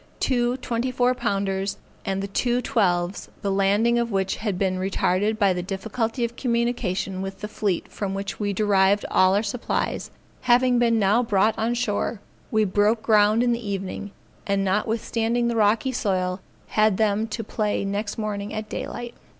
Two twenty four pounders and the two twelves, the landing of which had been retarded by the difficulty of communication with the fleet from which we derived all our supplies, having been now brought on shore, we broke ground in the evening, and notwithstanding the rocky soil, had them to play next morning at daylight.